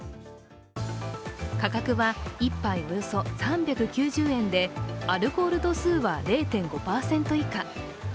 価格は１杯およそ３９０円でアルコール度数は０．５％以下。